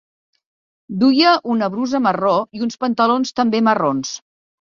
Duia una brusa marró i uns pantalons també marrons.